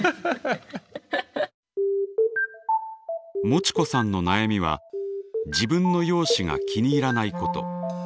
もちこさんの悩みは自分の容姿が気に入らないこと。